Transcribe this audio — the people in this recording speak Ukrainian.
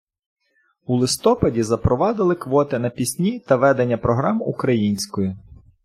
У листопаді запровадили квоти на пісні та ведення програм українською.